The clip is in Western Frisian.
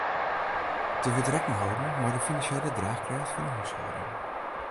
Der wurdt rekken holden mei de finansjele draachkrêft fan 'e húshâlding.